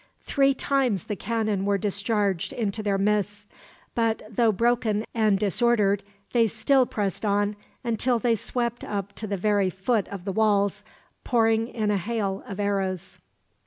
Three times the cannon were discharged into their midst; but though broken and disordered, they still pressed on until they swept up to the very foot of the walls, pouring in a hail of arrows.